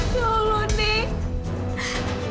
ya allah nek